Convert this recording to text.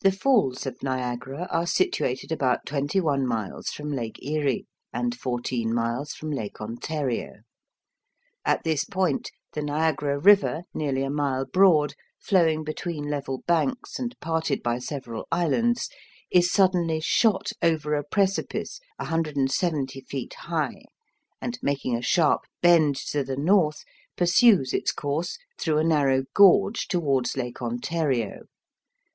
The Falls of Niagara are situated about twenty one miles from Lake Erie, and fourteen miles from Lake Ontario. At this point the Niagara River, nearly a mile broad, flowing between level banks, and parted by several islands, is suddenly shot over a precipice 170 feet high, and making a sharp bend to the north, pursues its course through a narrow gorge towards Lake Ontario.